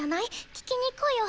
聴きに行こうよ。